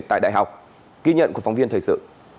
tại đại học ghi nhận của phóng viên thời sự